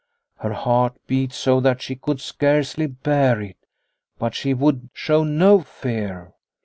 Her heart beat so that she could scarcely bear it, but she would show no fear.